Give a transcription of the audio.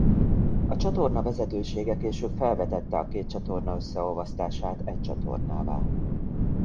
A csatorna vezetősége később felvetette a két csatorna összeolvasztását egy csatornává.